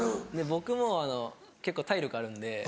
僕も結構体力あるんで。